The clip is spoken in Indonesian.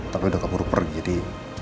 tapi udah gak perlu pergi jadi